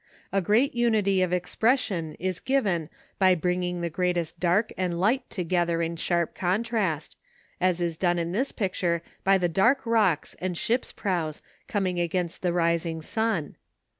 A great unity of expression is given by bringing the greatest dark and light together in sharp contrast, as is done in this picture by the dark rocks and ships' prows coming against the rising sun.